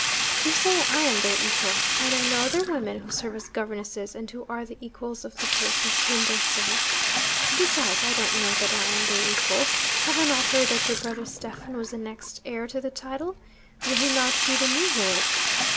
You say I am their equal. Are there no other women who serve as governesses, and who are the equals of the persons whom they serve? Besides, I don't know that I am their equal. Have I not heard that your brother Stephen was the next heir to the title? Will he not be the new lord?